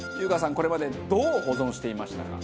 これまでどう保存していましたか？